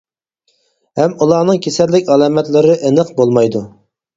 ھەم ئۇلارنىڭ كېسەللىك ئالامەتلىرى ئېنىق بولمايدۇ.